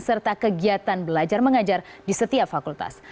serta kegiatan belajar mengajar di setiap fakultas